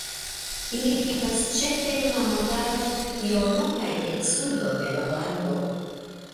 Ili vivas ĉefe en la montara regiono kaj en sudo de la lando.